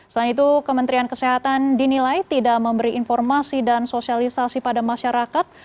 selain itu kementerian kesehatan dinilai tidak memberi informasi dan sosialisasi pada masyarakat